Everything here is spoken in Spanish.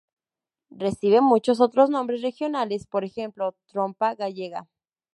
Recibe muchos otros nombres regionales; por ejemplo, "trompa gallega".